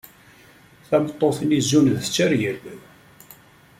Tameṭṭut-nni zun d Tteryel.